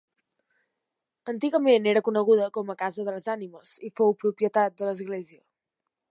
Antigament era coneguda com a Casa de les Ànimes i fou propietat de l'església.